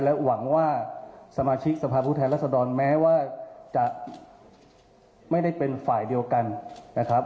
หวังว่าสมาชิกสภาพผู้แทนรัศดรแม้ว่าจะไม่ได้เป็นฝ่ายเดียวกันนะครับ